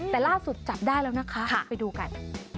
แต่ล่าสุดจับได้แล้วนะคะไปดูกัน